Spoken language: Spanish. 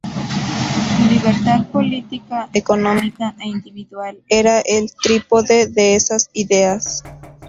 Libertad política, económica e individual era el trípode de esas ideas.